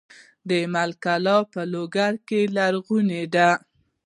د امیل کلا په لوګر کې لرغونې ده